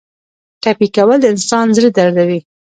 ټپي کول د انسان زړه دردوي.